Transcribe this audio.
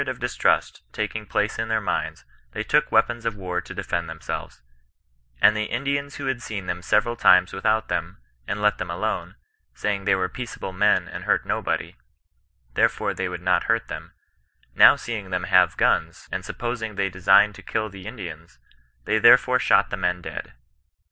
131 of distrust taking place in their minds, they took wear pons of war to defend themselves, and the Indians who had seen them several times without them and let them alone, saying they were peaceable men and hurt nobody, therefore they would not hurt them — now seeing them have guns, and supposing they designed to kill the In dians, they therefore shot the men dead.